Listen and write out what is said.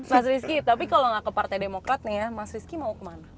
mas rizky tapi kalau nggak ke partai demokrat nih ya mas rizky mau kemana